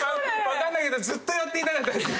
わかんないけどずっとやっていたかったです。